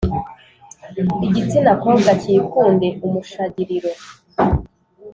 igitsina kobwa cyikunde umushagiriro